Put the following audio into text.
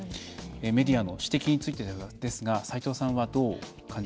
メディアの指摘についてですが斎藤さんはどう感じましたか。